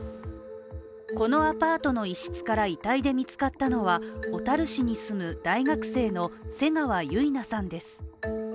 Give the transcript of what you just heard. このアパートの一室から遺体で見つかったのは小樽市に住む大学生の瀬川結菜さんです。